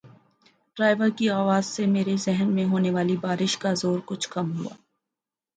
driver کی آواز سے میرے ذہن میں ہونے والی بار ش کا زور کچھ کم ہوا